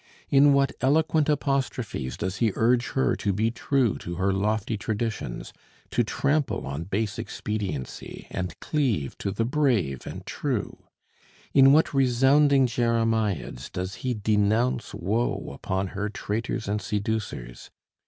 In what eloquent apostrophes does he urge her to be true to her lofty traditions, to trample on base expediency and cleave to the brave and true! In what resounding jeremiads does he denounce woe upon her traitors and seducers!